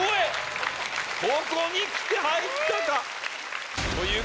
ここにきて入ったか！